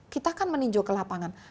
kita kan meninjau ke lapangan